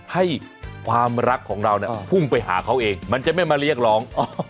ให้ความรักของเราเนี่ยพุ่งไปหาเขาเองมันจะไม่มาเรียกร้อง